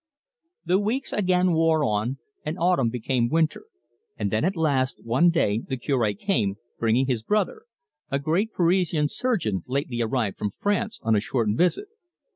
The weeks again wore on, and autumn became winter, and then at last one day the Cure came, bringing his brother, a great Parisian surgeon lately arrived from France on a short visit.